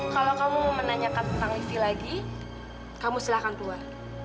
kalau kamu mau menanyakan tentang livi lagi kamu silakan keluar